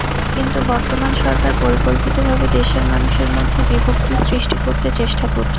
কিন্তু বর্তমান সরকার পরিকল্পিতভাবে দেশের মানুষের মধ্যে বিভক্তি সৃষ্টি করতে চেষ্টা করছে।